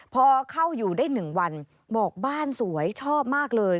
พอเข้าอยู่ได้๑วันบอกบ้านสวยชอบมากเลย